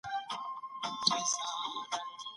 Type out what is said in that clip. تاسي ولي داسي خبري کوئ؟